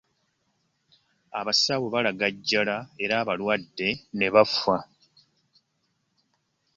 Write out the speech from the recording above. Abasawo balagajjala era abalwadde ne bafa.